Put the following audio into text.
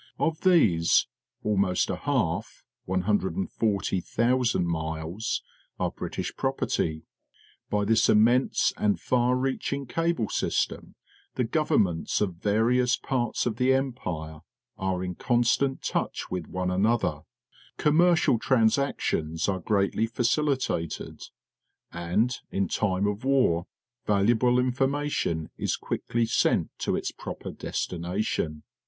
Of these, almost a half — 140,000 miles — are British propert}\ By this immense and far reaching cable system the govern ments of various parts of the Empire are in constant touch with one another; commer cial transactions are greatly faciUtated; and in time of war valuable infoi mation is quickly sent to its proper destination.